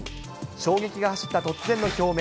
衝撃が走った突然の表明。